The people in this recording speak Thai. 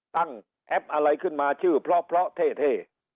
ตั้งแอบอะไรขึ้นมาชื่อเพราะเพราะเท่เท่